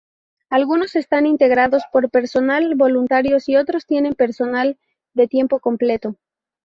Algunos están integrados por personal voluntarios y otros tienen personal de tiempo completo.